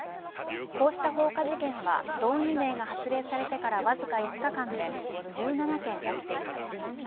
こうした放火事件は動員令が発動されてからわずか５日間で１７件起きています。